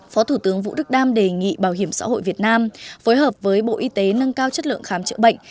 phó thủ tướng vũ đức đam đề nghị bảo hiểm xã hội việt nam phối hợp với bộ y tế nâng cao chất lượng khám chữa bệnh